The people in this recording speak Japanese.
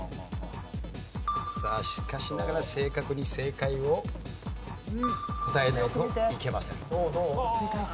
さあしかしながら正確に正解を答えないといけません。